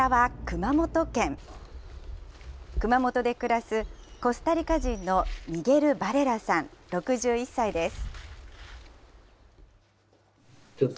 熊本で暮らすコスタリカ人のミゲル・バレラさん６１歳です。